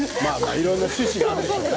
いろいろ趣旨があるんでしょうね。